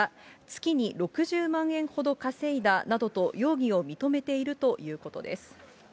月に６０万円ほど稼いだなどと容疑を認めているということです。